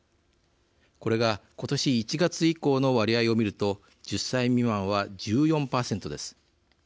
これが今年１月以降の割合を見ると１０歳未満は１４％です。